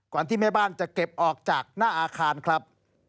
ที่แม่บ้านจะเก็บออกจากหน้าอาคารครับ